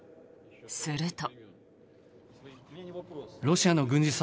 すると。